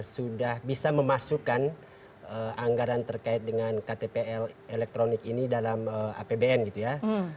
sudah bisa memasukkan anggaran terkait dengan ktp elektronik ini dalam apbn gitu ya